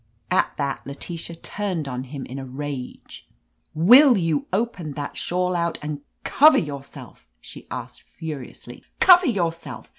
At that Letitia turned on him in a rage. "Will you open that shawl out and cover 307 THE AMAZING ADVENTURES yourself?" she asked furiously. ''Cover your self.